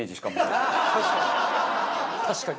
確かに。